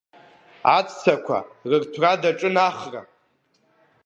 Аҵәцақәа рырҭәра даҿын Ахра.